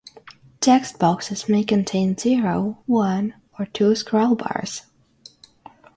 Text boxes may contain zero, one, or two scrollbars.